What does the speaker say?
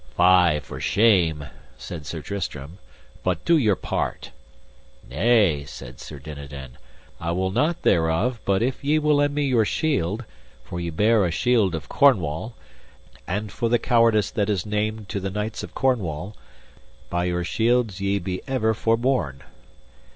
Fie for shame, said Sir Tristram, do but your part. Nay, said Sir Dinadan, I will not thereof but if ye will lend me your shield, for ye bear a shield of Cornwall; and for the cowardice that is named to the knights of Cornwall, by your shields ye be ever forborne.